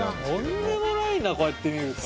とんでもないなこうやって見ると。